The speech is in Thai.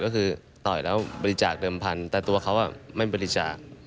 ก็คือต่อยแล้วบริจาคเดิมพันธุ์แต่ตัวเขาไม่บริจาค